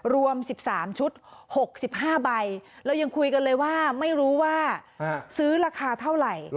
รวม๑๓ชุด๖๕ใบเรายังคุยกันเลยว่าไม่รู้ว่าซื้อราคาเท่าไหร่